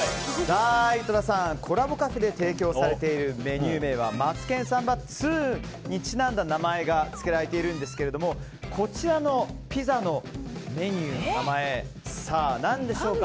井戸田さん、コラボカフェで提供されているメニュー名は「マツケンサンバ２」にちなんだ名前がつけられているんですけどもこちらのピザのメニューの名前何でしょうか？